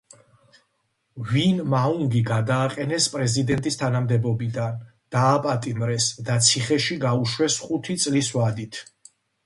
ვინ მაუნგი გადააყენეს პრეზიდენტის თანამდებობიდან, დააპატიმრეს და ციხეში გაუშვეს ხუთი წლის ვადით.